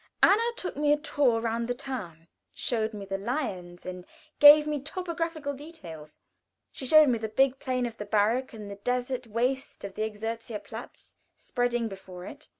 Anna took me a tour round the town, showed me the lions, and gave me topographical details. She showed me the big, plain barrack, and the desert waste of the Exerzierplatz spreading before it.